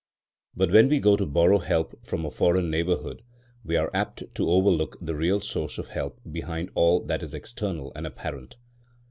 But when we go to borrow help from a foreign neighbourhood we are apt to overlook the real source of help behind all that is external and apparent.